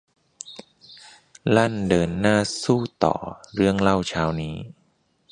ลั่นเดินหน้าสู้ต่อ เรื่องเล่าเช้านี้